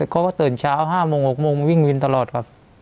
เขาก็ตื่นเช้า๕โมง๖โมงมาวิ่งวินตลอดครับ